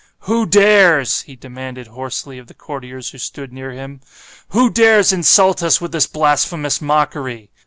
"Who dares?" he demanded hoarsely of the courtiers who stood near him—"who dares insult us with this blasphemous mockery?